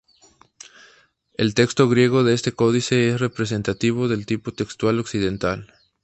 El texto griego de este códice es representativo del tipo textual occidental.